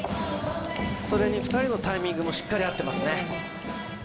それに２人のタイミングもしっかり合ってますね